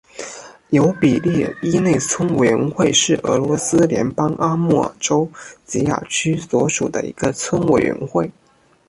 尤比列伊内村委员会是俄罗斯联邦阿穆尔州结雅区所属的一个村委员会。